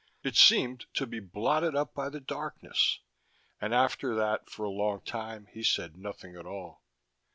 It seemed to be blotted up by the darkness. And after that, for a long time, he said nothing at all.